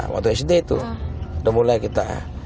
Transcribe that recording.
waktu sd itu udah mulai kita